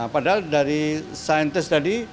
padahal dari saintis tadi